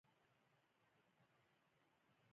کاونټر ته ولاړ کس راته وویل چې کمپیوټر کې فرمایش ورکړم.